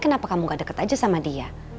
kenapa kamu gak deket aja sama dia